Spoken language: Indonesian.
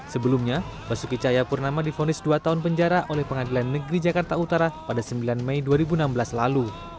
sebelumnya basuki cahayapurnama difonis dua tahun penjara oleh pengadilan negeri jakarta utara pada sembilan mei dua ribu enam belas lalu